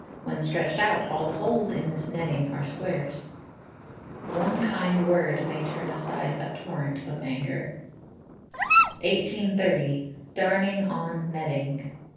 When stretched out, all the holes in this netting are squares. [ONE KIND WORD MAY TURN ASIDE A TORRENT OF ANGER.] 1830. Darning on Netting.